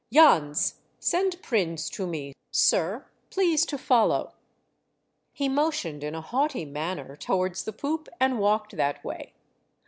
Jans, send Prins to me; sir, please to follow." He motioned in a haughty manner towards the poop and walked that way.